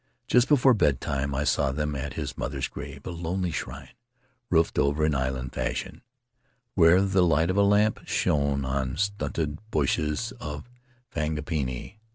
Just before bedtime I saw them at his mother's grave — a lonely shrine, roofed over in island fashion, where the light of a lamp shone on stunted bushes of frangipani.